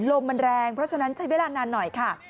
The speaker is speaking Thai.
ลมมันแรงเพราะฉะนั้นใช้เวลานานหน่อยค่ะ